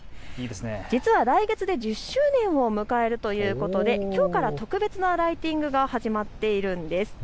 実は来月で１０周年を迎えるということできょうから特別なライティングが始まっているんです。